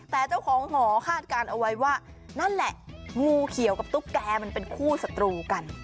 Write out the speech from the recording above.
แต่เจ้าของหอคาดการณ์เอาไว้ว่านั่นแหละงูเขียวกับตุ๊กแกมันเป็นคู่ศัตรูกัน